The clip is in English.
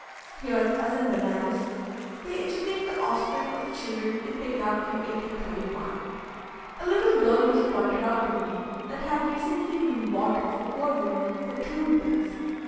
Here, as in Benares, they educate the offspring of the children they picked up in 1831. A little girl was pointed out to me that had recently been bought of a poor woman for two rupees (4s.)